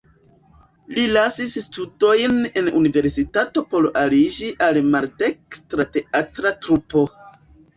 Li lasis studojn en universitato por aliĝi al maldekstra teatra trupo.